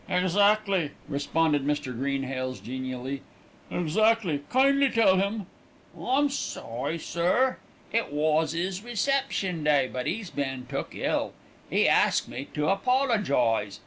"Exactly!" responded Mr. Greenhales genially. "Exactly! Kindly tell him." "I'm sorry, sir, it was 'is reception day, but 'e's been took ill; 'e asked me to apologise.